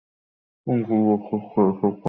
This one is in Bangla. কিন্তু যোগশাস্ত্রে এইসব কথা আছে।